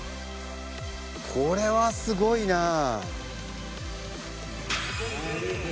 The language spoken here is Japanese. これはすごいなあ。